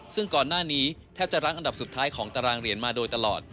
ซึ่งก่อนหน้านี้แทบจะรั้งอันดับสุดท้ายของตารางเหรียญมาโดยตลอด